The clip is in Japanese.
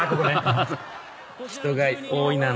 人が多いな。